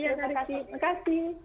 iya terima kasih